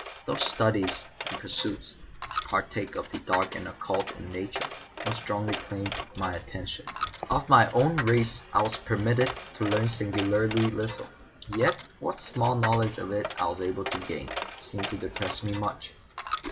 Those studies and pursuits which partake of the dark and occult in nature most strongly claimed my attention. Of my own race I was permitted to learn singularly little, yet what small knowledge of it I was able to gain, seemed to depress me much.